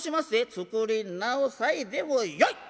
「作り直さいでもよいっ。